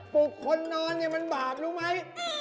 ปลุกคนนอนเนี่ยมันบาปรู้ไหม